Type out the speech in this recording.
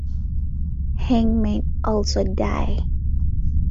Hangmen Also Die!